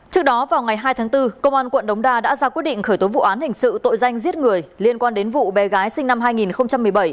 trước đó vào ngày hai tháng bốn công an quận đống đa đã ra quyết định khởi tố vụ án hình sự tội danh giết người liên quan đến vụ bé gái sinh năm hai nghìn một mươi bảy